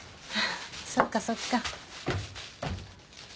そっかそっか。